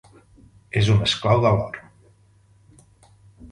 És un esclau de l'or.